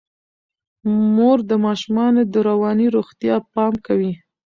مور د ماشومانو د رواني روغتیا پام کوي.